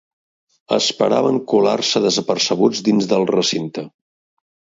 Esperaven colar-se desapercebuts dins del recinte.